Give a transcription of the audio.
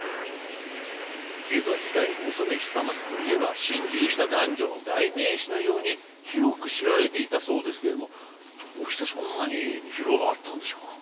江戸時代お染久松といえば心中した男女の代名詞のように広く知られていたそうですけれどもどうしてそんなに広まったんでしょうか。